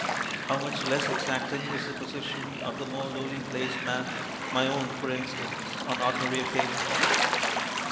How much less exacting is the position of the more lowly placed man; my own, for instance, on ordinary occasions.